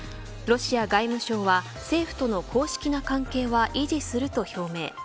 ロシア外務省は、政府との公式な関係は維持すると表明。